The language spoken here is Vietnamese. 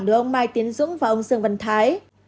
đối với ông mai tiến dũng và ông dương văn thái